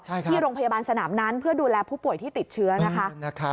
ที่โรงพยาบาลสนามนั้นเพื่อดูแลผู้ป่วยที่ติดเชื้อนะคะ